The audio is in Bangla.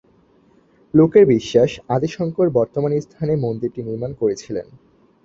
লোকের বিশ্বাস, আদি শঙ্কর বর্তমান স্থানে মন্দিরটি নির্মাণ করেছিলেন।